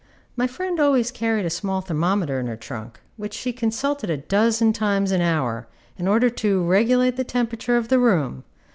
My friend always carried a small thermometer in her trunk, which she consulted a dozen times an hour, in order to regulate the temperature of the room.